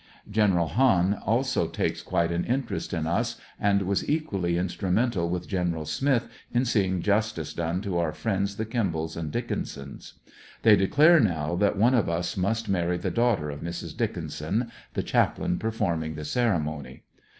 Gen. Ha\m also takes quite an interest in us, and was equally instrumental with Gon. Smith in seeing jus tice done to our friends the Kimballs and Dickinsons. They declare THE STABS AND STRIPES. 157 now that one of us must marry the daughter of Mrs. Dickinson, the chaplain performing the ceremony.